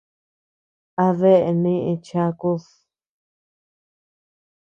¿Adeea neʼe chakud ?